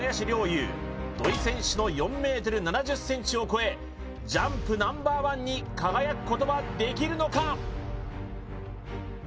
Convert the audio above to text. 侑土井選手の４ｍ７０ｃｍを超えジャンプＮｏ．１に輝くことはできるのか？